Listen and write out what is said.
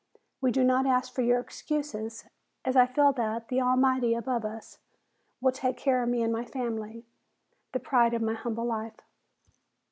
We do not ask for your excuses, as I feel that the Almighty above us will take care of me and my family, the pride of my humble life."